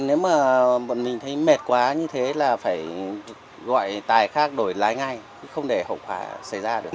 nếu mà bọn mình thấy mệt quá như thế là phải gọi tài khác đổi lái ngay không để hậu quả xảy ra được